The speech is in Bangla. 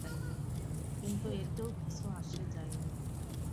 কিন্তু এতেও কিছু আসে যায় নি।